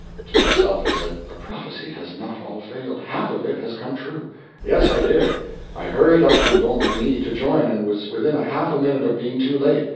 (To myself I said, "The prophecy has not all failed—half of it has come true.") "Yes, I did. I hurried up from Domremy to join, and was within a half a minute of being too late.